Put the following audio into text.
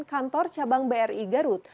kantor cabang bri garut